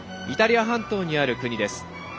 イタリア半島にある国です。